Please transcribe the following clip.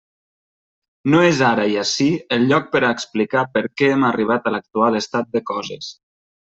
No és ara i ací el lloc per a explicar per què hem arribat a l'actual estat de coses.